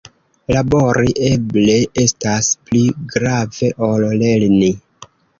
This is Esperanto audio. Labori eble estas pli grave ol lerni.